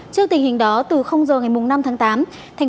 trước tình hình đó từ giờ ngày năm tháng tám